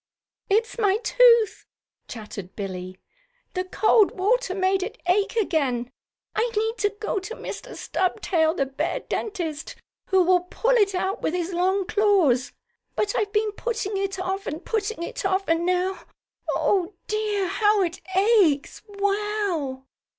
"It's my tooth," chattered Billie. "The cold water made it ache again. I need to go to Mr. Stubtail, the bear dentist, who will pull it out with his long claws. But I've been putting it off, and putting it off, and now Oh, dear, how it aches! Wow!"